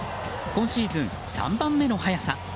今シーズン３番目の速さ。